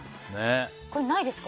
これ、ないですか？